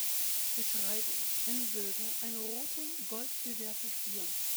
Beschreibung: In Silber ein roter goldbewehrter Stier.